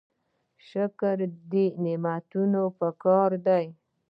شکر د دې نعمتونو پکار دی.